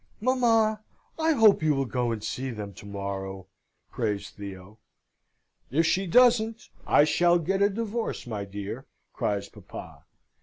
"Mamma, I hope you will go and see them to morrow!" prays Theo. "If she doesn't, I shall get a divorce, my dear!" cries papa.